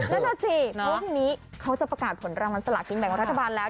นั่นน่ะสิพรุ่งนี้เขาจะประกาศผลรางวัลสลากินแบ่งรัฐบาลแล้ว